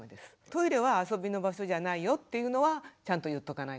トイレは遊びの場所じゃないよというのはちゃんと言っとかないと駄目ですね。